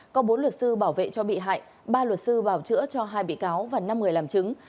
có bốn luật sư bảo vệ cho bị hại ba luật sư bảo chữa cho hai bị cáo và năm người làm chứng